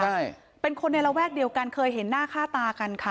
ใช่เป็นคนในระแวกเดียวกันเคยเห็นหน้าค่าตากันค่ะ